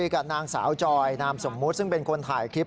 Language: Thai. กับนางสาวจอยนามสมมุติซึ่งเป็นคนถ่ายคลิป